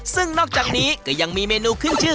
ซึ่งนอกจากนี้ก็ยังมีเมนูขึ้นชื่อ